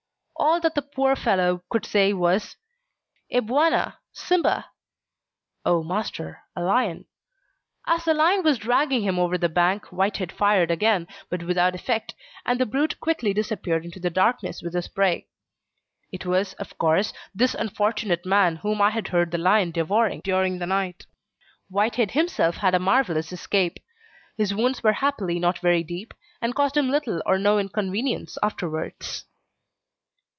All that the poor fellow could say was: "Eh, Bwana, simba" ("Oh, Master, a lion"). As the lion was dragging him over the bank, Whitehead fired again, but without effect, and the brute quickly disappeared into the darkness with his prey. It was of course, this unfortunate man whom I had heard the lions devouring during the night. Whitehead himself had a marvellous escape; his wounds were happily not very deep, and caused him little or no inconvenience afterwards.